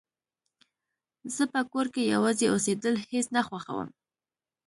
زه په کور کې يوازې اوسيدل هيڅ نه خوښوم